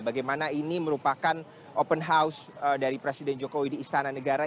bagaimana ini merupakan open house dari presiden jokowi di istana negara